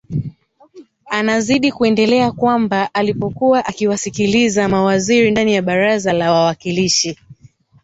Anazidi kuendelea kwamba alipokuwa akiwasikiliza mawaziri ndani ya baraza la wawakilishi